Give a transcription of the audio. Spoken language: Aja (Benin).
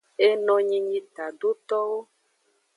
Enonyi nyi tadotowo.